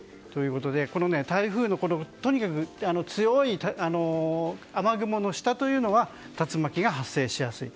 この台風とにかく強い雨雲の下というのは竜巻が発生しやすいと。